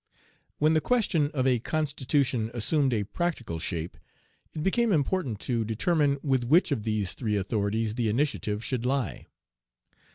When the question of a constitution assumed a practical shape, it became important to determine with which of these three authorities the initiative should lie.